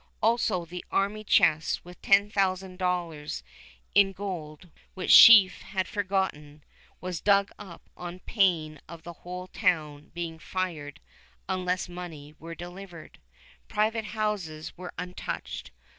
Also, the army chest with ten thousand dollars in gold, which Sheaffe had forgotten, was dug up on pain of the whole town being fired unless the money were delivered. Private houses were untouched.